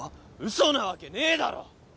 嘘なわけねえだろ！